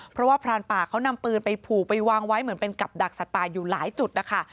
เพราะว่าพรานป่าเขานำปืนไปผูกไปวางไว้เหมือนเป็นกับดักสัตว์ป่าอยู่หลายจุดนะคะ